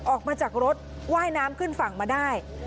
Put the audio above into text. ออกมาจากรถว่ายน้ำขึ้นฝั่งมาได้